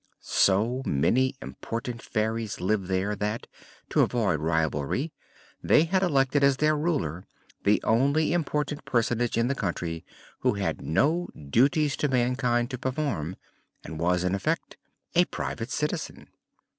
So many important fairies lived there that, to avoid rivalry, they had elected as their Ruler the only important personage in the country who had no duties to mankind to perform and was, in effect, a Private Citizen.